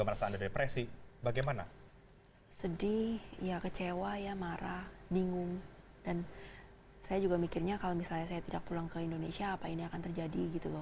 dan saya juga mikirnya kalau misalnya saya tidak pulang ke indonesia apa ini akan terjadi gitu loh